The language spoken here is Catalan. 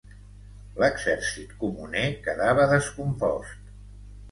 L'exèrcit comuner quedava descompost.